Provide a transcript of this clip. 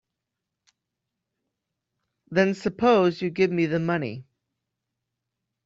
Then suppose you give me the money.